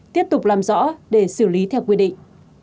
tiếp tục làm rõ để xử lý theo quy định